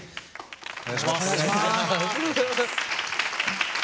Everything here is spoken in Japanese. お願いします。